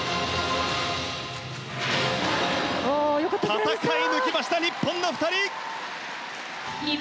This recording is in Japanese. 戦い抜きました日本の２人。